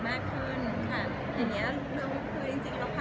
มันเป็นกิจกรรมที่เด็กชอบ